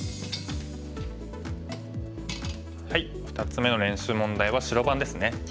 ２つ目の練習問題は白番ですね。